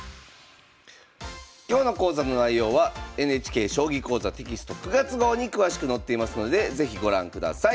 今日の講座の内容はＮＨＫ「将棋講座」テキスト９月号に詳しく載っていますので是非ご覧ください。